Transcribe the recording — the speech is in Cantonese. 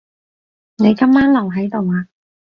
你今晚留喺度呀？